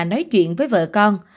nói chuyện với vợ con